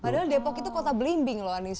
padahal depok itu kota belimbing loh anies